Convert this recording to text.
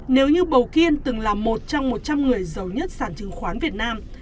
nếu như bầu kiên từng là một trong một trăm linh người giàu nhất sản chứng khoán việt nam